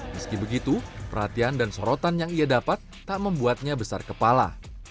meski begitu perhatian dan sorotan yang ia dapat tak membuatnya besar kepala